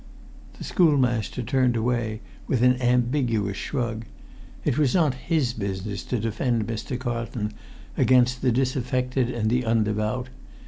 The schoolmaster turned away with an ambiguous shrug. It was not his business to defend Mr. Carlton against the disaffected and the undevout.